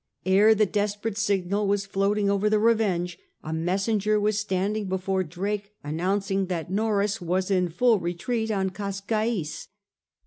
Ere the desperate signal was floating over the Bevenge a messenger was standing before Drake an nouncing that Norreys was in full retreat on Cascaes.